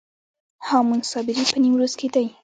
هامون صابري په نیمروز کې دی